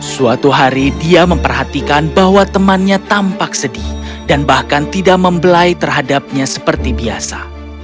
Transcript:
suatu hari dia memperhatikan bahwa temannya tampak sedih dan bahkan tidak membelai terhadapnya seperti biasa